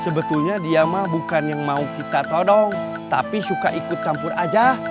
sebetulnya dia mah bukan yang mau kita todong tapi suka ikut campur aja